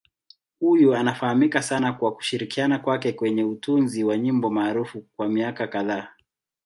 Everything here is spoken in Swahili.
Huyu anafahamika sana kwa kushirikiana kwake kwenye utunzi wa nyimbo maarufu kwa miaka kadhaa.